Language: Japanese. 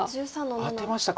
あっアテましたか。